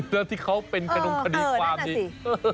แล้วที่เขาเป็นกระดงคดีความนี่